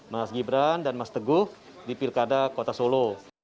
mas gibran dan mas teguh di pilkada kota solo